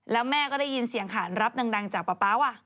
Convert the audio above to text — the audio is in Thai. แล้วแม่ก็ได้ยินเสียงขานรับดังจากป๊า